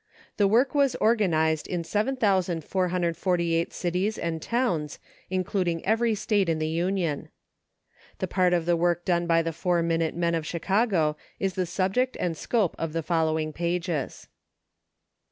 The work was organized in 7,448 cities and towns, including every State in the Union. The part of the work done by the Four Minute Men of Chicago is the subject and scope of the following pages.